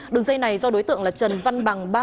đường dây này do đối tượng là trần văn bằng